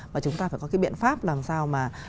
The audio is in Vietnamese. và chúng ta phải có cái biện pháp làm sao mà